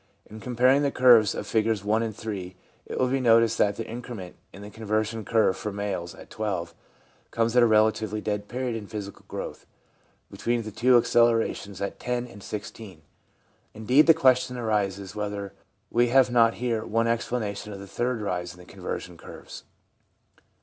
In comparing the curves of Figures 1 and 3, it will be noticed that the increment in the conversion curve for males at 12 comes at a relatively dead period in physical growth, between the two accelerations at 10 and 16. Indeed, the question arises whether we have not here one explanation of the third rise in the conversion curves.